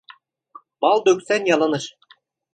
Bal döksen yalanır.